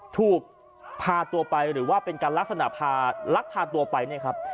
ถูกพาตัวไปหรือว่าเป็นการลักษณะพาลักพาตัวไปเนี่ยครับ